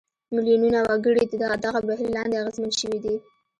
میلیونونه وګړي د دغه بهیر لاندې اغېزمن شوي دي.